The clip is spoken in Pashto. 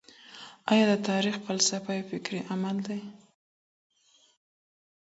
ايا د تاريخ فلسفه يو فکري عامل دی؟